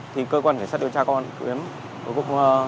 thì cơ quan kẻ sát điều tra công an